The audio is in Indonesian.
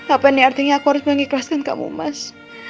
apa nih artinya aku harus mengikhlaskan kamu mas